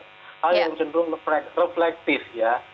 hal yang cenderung reflektif ya